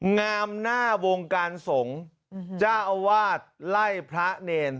งามหน้าวงการสงฆ์เจ้าอาวาสไล่พระเนร